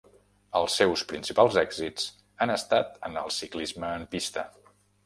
Els seus principals èxits han estat en el ciclisme en pista.